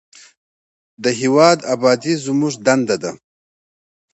د هیواد ابادي زموږ دنده ده